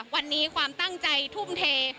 วันนี้ความตั้งใจทุ่มเท